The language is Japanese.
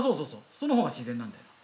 そのほう自然なんだ。